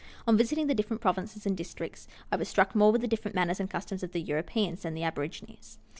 On visiting the different provinces and districts, I was struck more with the different manners and cus toms of the Europeans than the aborigines.